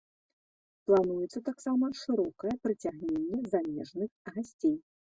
Плануецца таксама шырокае прыцягненне замежных гасцей.